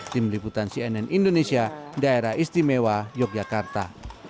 tim liputan cnn indonesia daerah istimewa yogyakarta